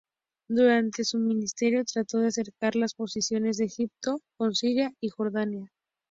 Durante su ministerio trató de acercar las posiciones de Egipto con Siria y Jordania.